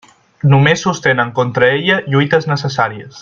Només sostenen contra ella lluites necessàries.